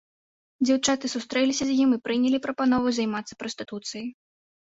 Дзяўчаты сустрэліся з ім і прынялі прапанову займацца прастытуцыяй.